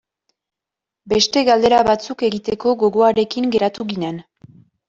Beste galdera batzuk egiteko gogoarekin geratu ginen.